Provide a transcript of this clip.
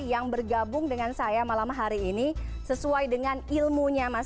yang bergabung dengan keseharian yang bergabung dengan keseharian yang bergabung dengan keseharian